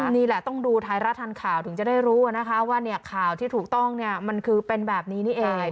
นี่แหละต้องดูไทยรัฐทันข่าวถึงจะได้รู้นะคะว่าข่าวที่ถูกต้องมันคือเป็นแบบนี้นี่เอง